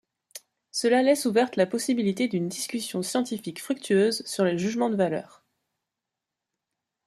Cela laisse ouverte la possibilité d'une discussion scientifique fructueuse sur les jugements de valeur.